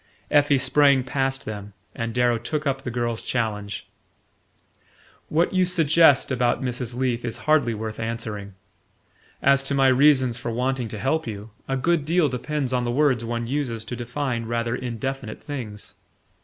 Effie sprang past them, and Darrow took up the girl's challenge. "What you suggest about Mrs. Leath is hardly worth answering. As to my reasons for wanting to help you, a good deal depends on the words one uses to define rather indefinite things.